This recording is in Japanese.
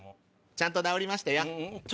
ちゃんと直りましたよ。